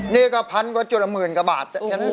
นี่ก็ปัญหาหมื่นกว่าบาท